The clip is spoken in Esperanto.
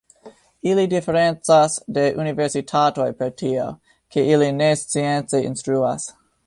Ili diferencas de universitatoj per tio, ke ili ne science instruas.